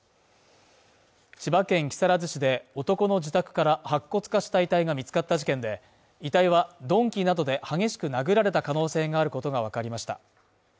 千葉県木更津市で、男の自宅から白骨化した遺体が見つかった事件で、遺体は鈍器などで激しく殴られた可能性があることがわかりました。